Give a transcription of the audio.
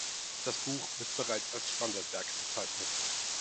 Das Buch wird bereits als Standardwerk bezeichnet.